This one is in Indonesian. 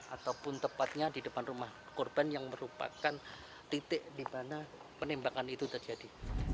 ataupun tepatnya di depan rumah korban yang merupakan titik di mana penembakan itu terjadi